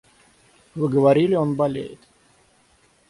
Вы говорили, он болеет.